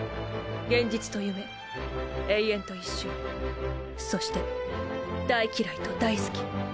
現実と夢永遠と一瞬そして大嫌いと大好き。